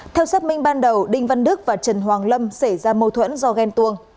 theo xác minh ban đầu đinh văn đức và trần hoàng lâm xảy ra mâu thuẫn do ghen tuông